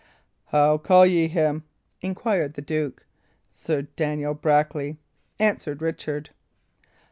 "How call ye him?" inquired the duke. "Sir Daniel Brackley," answered Richard.